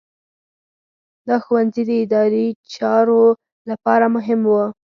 دا ښوونځي د اداري چارو لپاره مهم وو.